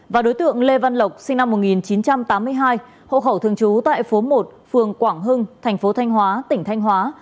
và đối tượng lê văn lộc sinh năm một nghìn chín trăm tám mươi hai hộ khẩu thường trú tại phố một phường quảng hưng thành phố thanh hóa tỉnh thanh hóa